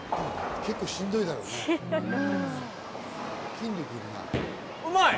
結構しんどいだろうね。